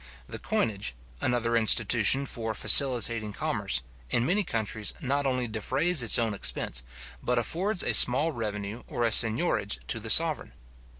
The coinage, another institution for facilitating commerce, in many countries, not only defrays its own expense, but affords a small revenue or a seignorage to the sovereign.